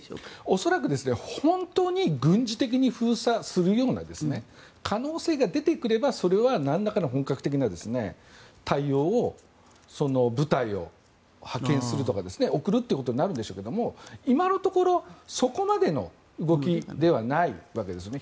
恐らく本当に軍事的に封鎖するような可能性が出てくればそれはなんらかの本格的な対応をその部隊を派遣するとか送るということになるでしょうけど今のところ、そこまでの動きではないわけですよね。